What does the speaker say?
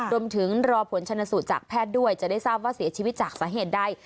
รอผลชนสูตรจากแพทย์ด้วยจะได้ทราบว่าเสียชีวิตจากสาเหตุใด